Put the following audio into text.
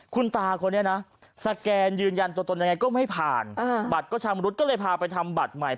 คุณตาคนนี้นะสแกนยืนยันตัวตนยังไงก็ไม่ผ่านบัตรก็ชำรุดก็เลยพาไปทำบัตรใหม่